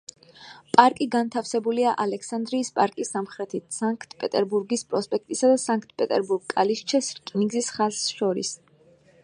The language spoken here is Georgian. პარკი განთავსებულია ალექსანდრიის პარკის სამხრეთით სანქტ-პეტერბურგის პროსპექტისა და სანქტ-პეტერბურგ–კალიშჩეს რკინიგზის ხაზს შორის.